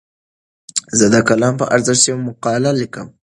زه د قلم په ارزښت یوه مقاله لیکم.